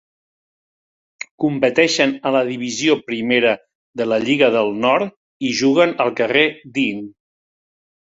Competeixen a la Divisió Primera de la Lliga del Nord i juguen al carrer Dean.